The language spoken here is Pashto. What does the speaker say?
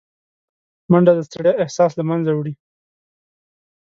منډه د ستړیا احساس له منځه وړي